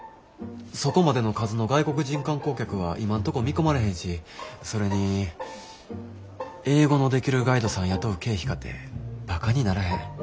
そこまでの数の外国人観光客は今んとこ見込まれへんしそれに英語のできるガイドさん雇う経費かてばかにならへん。